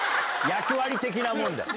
役割的なもんだよ。